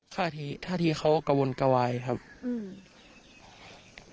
ท่าทีท่าทีเขากระวนกระวายครับอืม